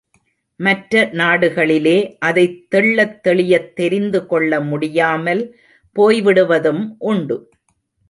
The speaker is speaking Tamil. மற்ற நாடுகளிலே அதைத் தெள்ளத் தெளியத் தெரிந்து கொள்ள முடியாமல் போய்விடுவதும் உண்டு.